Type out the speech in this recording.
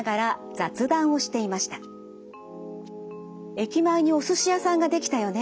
「駅前にお寿司屋さんができたよね。